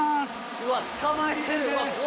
うわ、捕まえてる？